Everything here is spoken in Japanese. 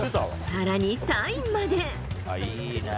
さらに、サインまで。